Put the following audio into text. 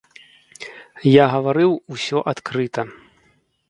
Я гаварыў усё адкрыта.